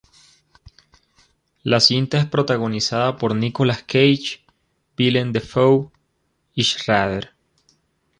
La cinta es protagonizada por Nicolas Cage, Willem Dafoe, y Schrader.